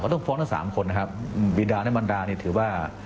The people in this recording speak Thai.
ต้องฟ้องทั้ง๓คนบีดาและมันดาถือว่า